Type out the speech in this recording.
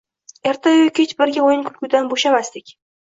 Ertayu kech birga o‘yin-kulgudan bo‘shamasdik